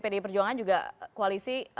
pd perjuangan juga koalisi